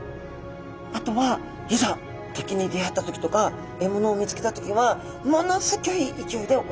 あとはいざてきに出会った時とか獲物を見つけた時はものすギョい勢いで泳ぎます。